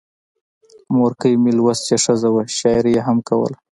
مورکۍ مې لوستې ښځه وه، شاعري یې هم کوله.